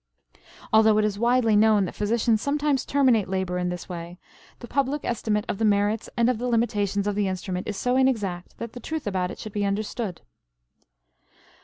Although it is widely known that physicians sometimes terminate labor in this way, the public estimate of the merits and of the limitations of the instrument is so inexact that the truth about it should be understood.